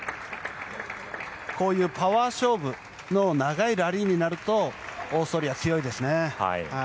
こういうパワー勝負の長いラリーになるとオーストリア、強いですね。